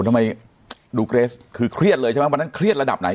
ทำไมดูเกรสคือเครียดเลยใช่ไหมวันนั้นเครียดระดับไหน